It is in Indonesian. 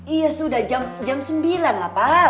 iya sudah jam sembilan lah pak